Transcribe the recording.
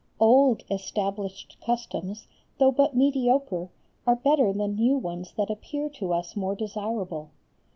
Old established customs, though but mediocre, are better than new ones that appear to us more desirable.